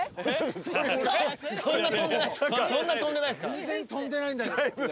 全然飛んでないんだけど。